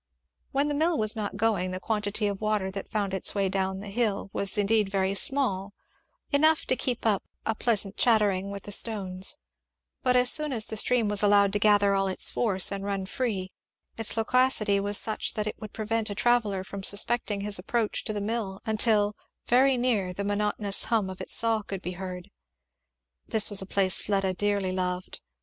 When the mill was not going the quantity of water that found its way down the hill was indeed very small, enough only to keep up a pleasant chattering with the stones; but as soon as the stream was allowed to gather all its force and run free its loquacity was such that it would prevent a traveller from suspecting his approach to the mill, until, very near, the monotonous hum of its saw could be heard. This was a place Fleda dearly loved.